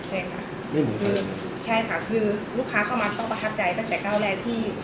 ใช่ค่ะใช่ค่ะคือลูกค้าเข้ามาต้องประทับใจตั้งแต่ก้าวแรกที่